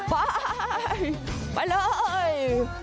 ไปไปเลย